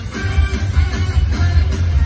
สวัสดีครับ